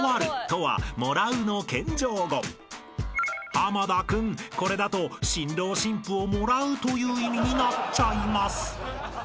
［濱田君これだと新郎新婦をもらうという意味になっちゃいます］